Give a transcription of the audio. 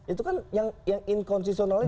itu kan yang inkonsisionalnya dimana